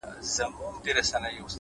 سترې لاسته راوړنې دوام غواړي’